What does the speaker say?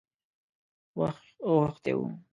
غوښتی وو.